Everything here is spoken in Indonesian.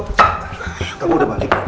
kamu sudah balik